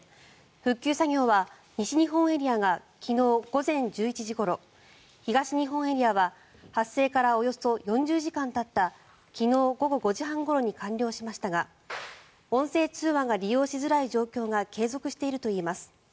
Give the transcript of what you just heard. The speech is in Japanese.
復旧作業は西日本エリアが昨日午前１１時ごろ東日本エリアは発生からおよそ４０時間たった昨日午後５時半ごろに完了しましたが音声通話が利用しづらい状況が継続しているといいます。